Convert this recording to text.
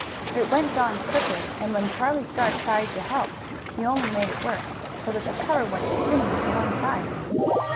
It went on crooked, and when Charlie Star tried to help he only made it worse, so that the cover went spinning to one side.